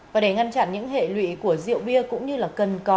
và để ngăn chặn những hệ lụy của rượu bia cũng như là cần có